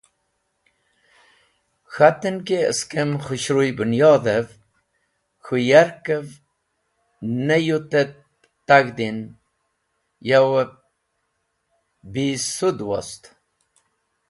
K̃haten ki skem khũshruy bũnyodhev k̃hũ yarkev ne yotht et tag̃hdin, yowp bisũd wost.